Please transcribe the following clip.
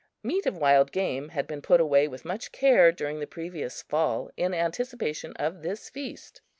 Meat of wild game had been put away with much care during the previous fall in anticipation of this feast.